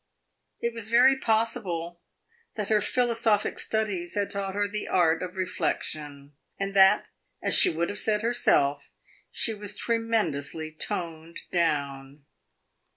It was very possible that her philosophic studies had taught her the art of reflection; and that, as she would have said herself, she was tremendously toned down.